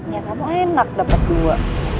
ya kamu enak dapat dua